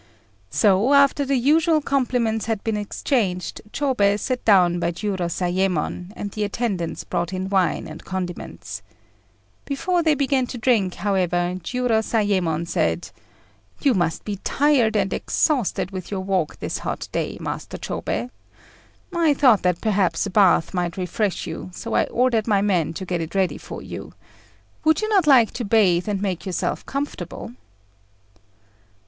So, after the usual compliments had been exchanged, Chôbei sat down by Jiurozayémon, and the attendants brought in wine and condiments. Before they began to drink, however, Jiurozayémon said "You must be tired and exhausted with your walk this hot day, Master Chôbei. I thought that perhaps a bath might refresh you, so I ordered my men to get it ready for you. Would you not like to bathe and make yourself comfortable?"